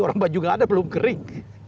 orang baju gak ada belum kering